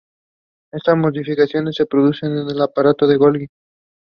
It aired as part of "Wednesday Theatre".